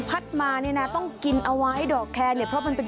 มาเนี่ยนะต้องกินเอาไว้ดอกแคร์เนี่ยเพราะมันเป็น